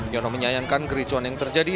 yono menyayangkan kericuan yang terjadi